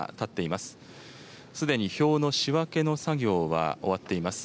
すでに票の仕分けの作業は終わっています。